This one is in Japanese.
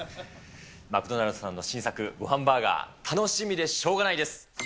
マクドナルドさんの新作、ごはんバーガー、楽しみでしょうがないです。